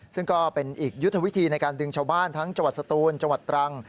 ซึ่งก็เป็นอีกยุทธวิธีในการดึงชาวบ้านทั้งจังหวัดสตูนจังหวัดตรัง